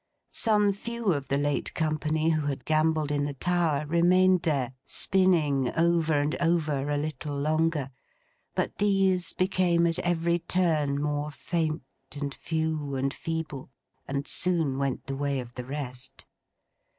Some few of the late company who had gambolled in the tower, remained there, spinning over and over a little longer; but these became at every turn more faint, and few, and feeble, and soon went the way of the rest.